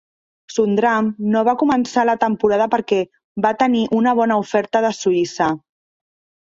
Sundram no va començar la temporada perquè va tenir una bona oferta de Suïssa.